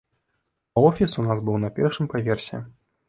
А офіс у нас быў на першым паверсе.